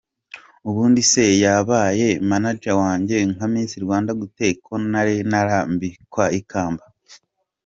Ubundi se yabaye manager wanjye nka Miss Rwanda gute ko nari ntarambikwa ikamba?.